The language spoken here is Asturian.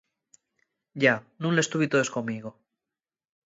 Yá, nun les tuvi toes conmigo.